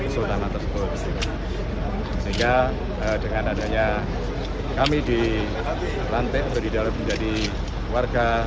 sultana tersebut sehingga dengan adanya kami di lantai untuk didalami menjadi warga